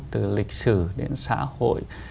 từ lịch sử đến xã hội